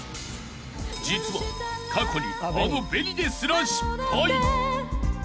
［実は過去にあのＢＥＮＩですら失敗］